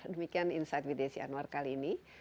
demikian insight with desi anwar kali ini